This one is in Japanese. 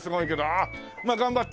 ああまあ頑張って。